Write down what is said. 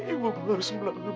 ibuku harus melakukan